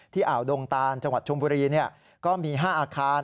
อ่าวดงตานจังหวัดชมบุรีก็มี๕อาคาร